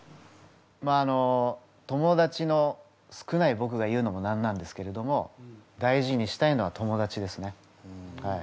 まああの友だちの少ない僕が言うのもなんなんですけれども大事にしたいのは友だちですね。